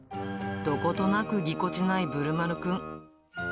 どことなくぎこちないぶるまるくん。